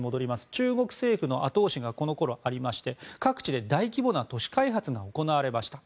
中国政府の後押しがこの頃ありまして各地で大規模な都市開発が行われました。